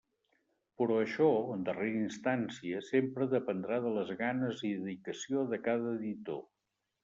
Però això, en darrera instància, sempre dependrà de les ganes i dedicació de cada editor.